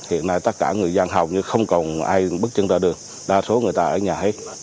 hiện nay tất cả người dân hầu như không còn ai bước chân ra được đa số người ta ở nhà hết